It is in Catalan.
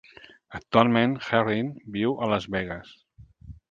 Actualment Herring viu a Las Vegas.